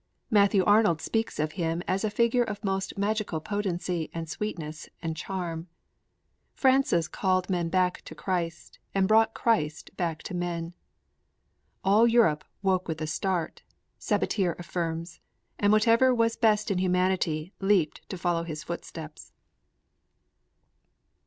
Matthew Arnold speaks of him as a figure of most magical potency and sweetness and charm. Francis called men back to Christ and brought Christ back to men. 'All Europe woke with a start,' Sabatier affirms, 'and whatever was best in humanity leaped to follow his footsteps.'